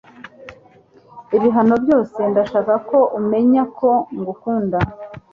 ibibaho byose, ndashaka ko umenya ko ngukunda